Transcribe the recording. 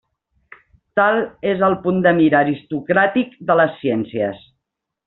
Tal és el punt de mira aristocràtic de les ciències.